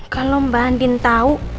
kalau mbak andin tahu